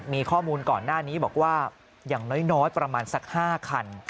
มีข้อมูลก่อนหน้านี้บอกว่าอย่างน้อยประมาณสัก๕คัน